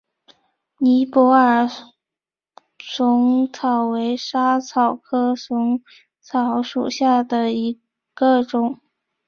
尼泊尔嵩草为莎草科嵩草属下的一个种。